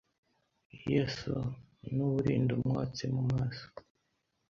Yasa n'uwurinda umwotsi mu maso